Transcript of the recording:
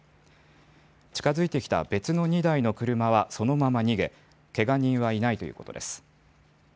近づいてきた別の２台の車はそのまま逃げけが人はいないということです。